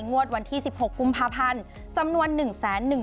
งวดวันที่สิบหกกุมภาพันธ์จำนวนหนึ่งแสนหนึ่ง